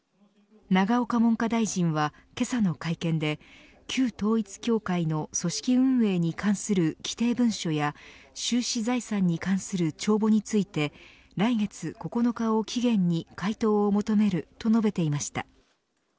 永岡文科大臣はけさの会見で旧統一教会の組織上に関する規定文書や収支財産に関する帳簿について来月９日を期限に回答求めると述べていました。